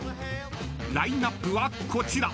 ［ラインアップはこちら］